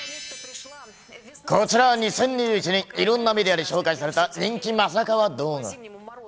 こちらは２０２１年にいろんなメディアで紹介されたまさかの動画。